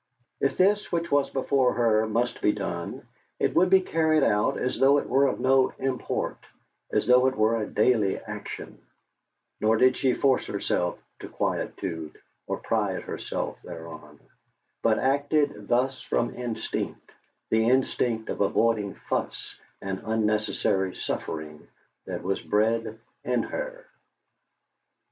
If this which was before her must be done, it would be carried out as though it were of no import, as though it were a daily action; nor did she force herself to quietude, or pride herself thereon, but acted thus from instinct, the instinct for avoiding fuss and unnecessary suffering that was bred in her.